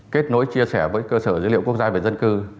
kết nối chia sẻ với cơ sở dữ liệu quốc gia về dân cư